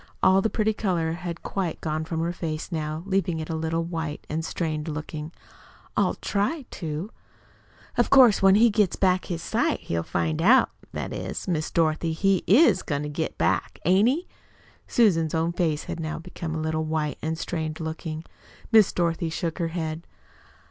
All the pretty color had quite gone from her face now, leaving it a little white and strained looking. "I'll try to." "Of course, when he gets back his sight he'll find out that is, Miss Dorothy, he IS going to get it back, ain't he?" Susan's own face now had become a little white and strained looking. Miss Dorothy shook her head.